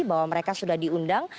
bahwa mereka sudah diundang